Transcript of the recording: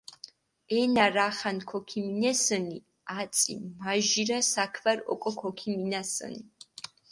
ენა რახან ქოქიმინესჷნი, აწი მაჟირა საქვარი ოკო ქოქიმინასჷნი.